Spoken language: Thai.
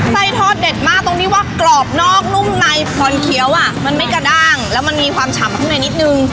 ไส้ทอดเด็ดมากตรงนี้ว่ากรอบนอกนุ่มมันมีกระด้างและมีความฉ่ำข้างในนิดนึง